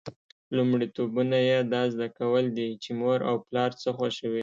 لومړیتوبونه یې دا زده کول دي چې مور او پلار څه خوښوي.